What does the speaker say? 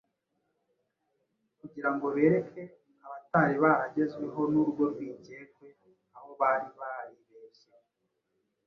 kugira ngo bereke abatari baragezweho n’urwo rwikekwe aho bari baribeshye.